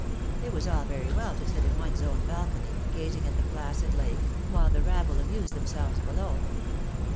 It was all very well to sit in one's own balcony, gazing at the placid lake, while the rabble amused themselves below.